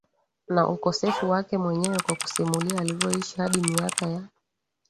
na ukosefu wake mwenyewe kwa kusimulia alivyoishi hadi miaka ya